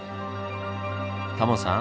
タモさん